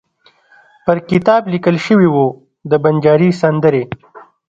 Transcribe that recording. پر کتاب لیکل شوي وو: د بنجاري سندرې.